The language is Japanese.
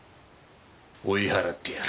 追い払ってやる。